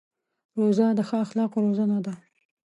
روژه د ښو اخلاقو روزنه ده.